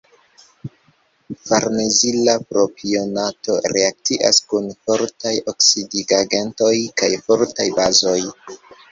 Farnezila propionato reakcias kun fortaj oksidigagentoj kaj fortaj bazoj.